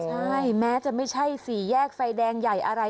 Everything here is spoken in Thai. ใช่แม้จะไม่ใช่สี่แยกไฟแดงใหญ่อะไร